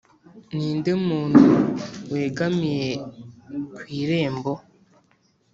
ninde muntu wegamiye ku irembo?